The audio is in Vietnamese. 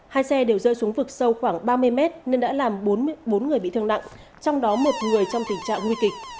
hai xe đều rơi xuống vực sâu khoảng ba mươi mét nên đã làm bốn người bị thương nặng trong đó một người trong tình trạng nguy kịch